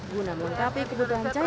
guna mengungkapi kebutuhan cahaya